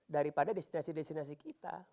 daripada destinasi destinasi kita